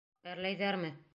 Әрләйҙәрме?